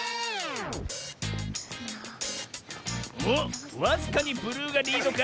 おっわずかにブルーがリードか？